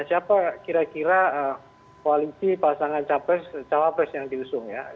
siapa kira kira koalisi pasangan capres cawapres yang diusung ya